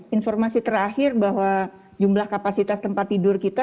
informasi terakhir bahwa jumlah kapasitas tempat tidur kita